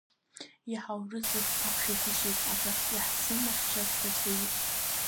Иаҳаурызеи, ҳақәшәагәышьеит, аха иаҳзымхьчаз рацәаҩуп.